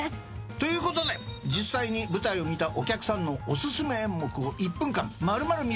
ということで実際に舞台を見たお客さんのお薦め演目を１分間丸々見せちゃう。